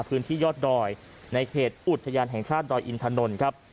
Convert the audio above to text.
พื้นที่ยอดดอยในเขตอุทยานแห่งชาติดอยอินถนนครับ